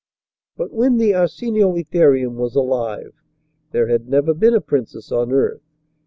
But when the Arsinoitherium was alive there had never been a princess on earth.